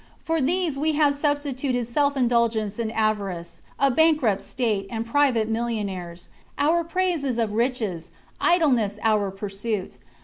For these we have substituted self indul gence and avarice, a bankrupt state and private mil lionaires. Our praise is of riches; idleness our pursuit.